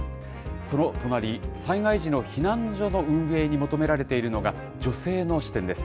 その隣、災害時の避難所の運営に求められているのが、女性の視点です。